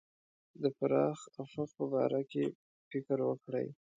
د پراخ افق په باره کې فکر وکړي.